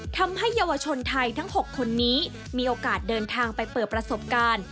ทำให้เยาวชนไทยทั้ง๖คนนี้มีโอกาสเดินทางไปเปิดประสบการณ์